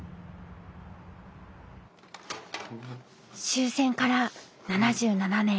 終戦から７７年。